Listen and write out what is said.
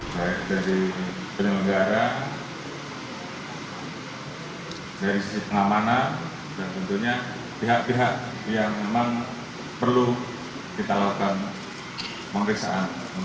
siapa yang nanti harus bertanggung jawab di dalam proses yang akan dilakukan